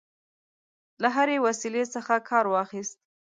له هري وسیلې څخه کارواخیست.